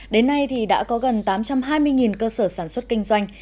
đến nay thì đã có gần tám trăm hai mươi cơ sở sản xuất kinh doanh